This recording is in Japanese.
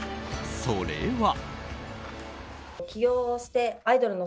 それは。